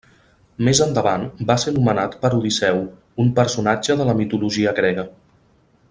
Més endavant va ser nomenat per Odisseu, un personatge de la mitologia grega.